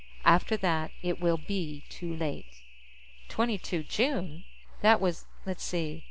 After that, it will be too late._ 22 June! That was let's see....